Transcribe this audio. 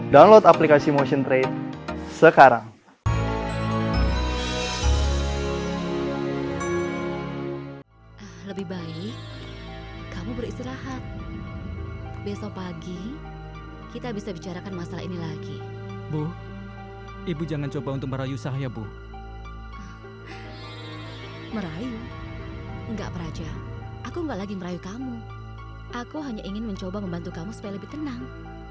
download aplikasi motion trade sekarang